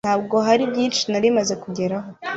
Nubwo hari byinshi nari maze kugeraho